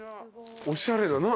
おしゃれな。